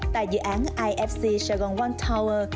tại dự án ifc sài gòn one tower